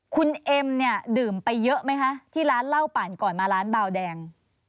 คุณเอ็มเนี่ยดื่มไปเยอะไหมคะที่ร้านเหล้าปั่นก่อนมาร้านเบาแดง